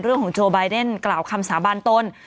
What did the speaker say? เรื่องของโจว์บายเดนกล่าวคำสาบานตน